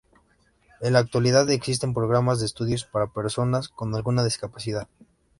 En la actualidad existen programas de estudios para personas con alguna discapacidad.